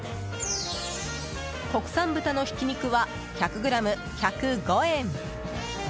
国産豚のひき肉は１００ｇ１０５円。